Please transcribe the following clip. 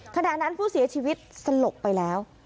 ขณะนั้นผู้เสียชีวิตสลบไปแล้ว